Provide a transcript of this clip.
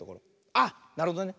あっなるほどね。